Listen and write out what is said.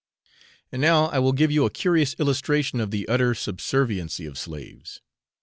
And now I will give you a curious illustration of the utter subserviency of slaves.